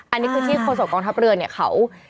อันนี้คือที่โฆษกองทัพเรือเนี่ยเขา